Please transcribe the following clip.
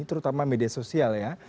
terutama media sosial ya